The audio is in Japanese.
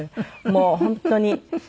もう本当に。